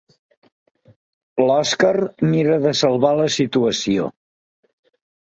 L'Òskar mira de salvar la situació.